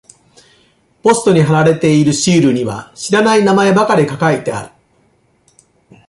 ポストに貼られているシールには知らない名前ばかりが書いてある。